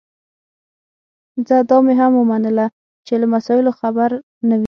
ځه دا مي هم ومنله چي له مسایلو خبر نه وې